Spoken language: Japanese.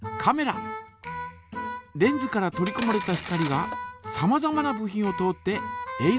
レンズから取りこまれた光がさまざまな部品を通ってえい